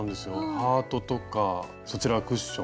ハートとかそちらクッション。